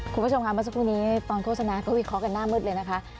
คุณผู้ชมค่ะเมื่อสักครู่นี้ตอนโฆษณาก็วิเคราะห์กันหน้ามืดเลยนะคะ